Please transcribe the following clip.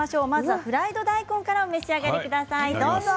フライド大根からお召し上がりください。